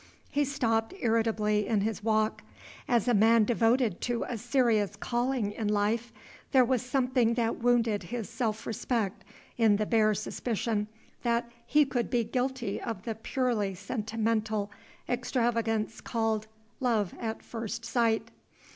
He stopped irritably in his walk. As a man devoted to a serious calling in life, there was something that wounded his self respect in the bare suspicion that he could be guilty of the purely sentimental extravagance called "love at first sight."